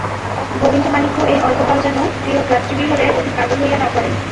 গোবিন্দমাণিক্য এই অল্প কাল যেন প্রিয়ভ্রাতৃবিরহে অধিক কাতর হইয়া না পড়েন।